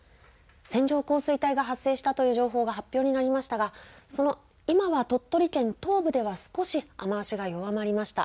線状降水帯が発生したという情報が発表になりましたが、今は鳥取県東部では少し雨足が弱まりました。